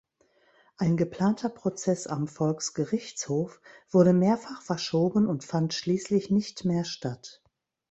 Ein geplanter Prozess am Volksgerichtshof wurde mehrfach verschoben und fand schließlich nicht mehr statt.